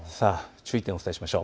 注意点をお伝えしましょう。